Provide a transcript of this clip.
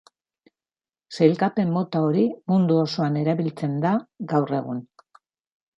Sailkapen-mota hori mundu osoan erabiltzen da gaur egun.